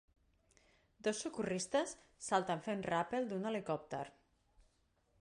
Dos socorristes salten fent ràpel d'un helicòpter.